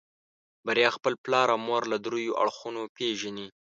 بريا خپل پلار او مور له دريو اړخونو پېژني.